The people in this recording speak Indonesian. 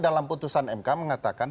dalam putusan mk mengatakan